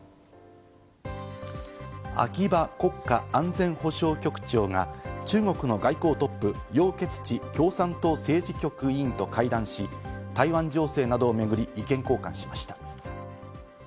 秋葉国家安全保障局長が中国の外交トップ、ヨウ・ケツチ政治局委員と会談し、台湾情勢などをめぐり、意見交換しました。